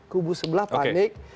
kubu sebelah panik